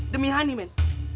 demi hani men